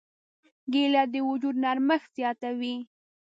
کېله د وجود نرمښت زیاتوي.